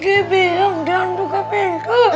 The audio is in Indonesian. dia bilang jangan buka pintu